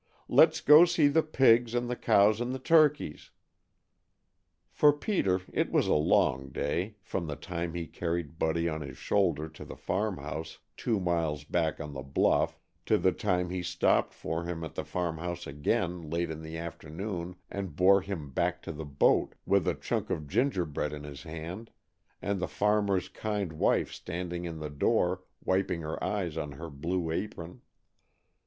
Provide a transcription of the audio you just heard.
"Let's go see the pigs, and the cows, and the turkeys." For Peter it was a long day, from the time he carried Buddy on his shoulder to the farm house two miles back on the bluff to the time he stopped for him at the farm house again, late in the afternoon, and bore him back to the boat, with a chunk of gingerbread in his hand, and the farmer's kind wife standing in the door, wiping her eyes on her blue apron.